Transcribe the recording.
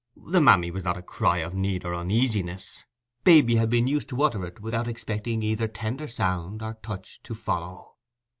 The "mammy" was not a cry of need or uneasiness: Baby had been used to utter it without expecting either tender sound or touch to follow.